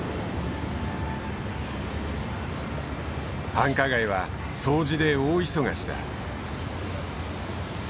繁華街は掃除で大忙しだ。